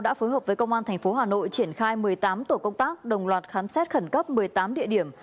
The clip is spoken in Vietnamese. đã phối hợp với công an tp hà nội triển khai một mươi tám tổ công tác đồng loạt khám xét khẩn cấp một mươi tám địa điểm